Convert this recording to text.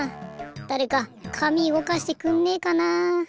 だれか紙うごかしてくんねえかな。